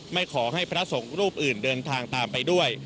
ไม่ขอให้พระสงฆ์รูปอื่นเดินทางตามไปด้วย